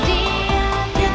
dia tak salah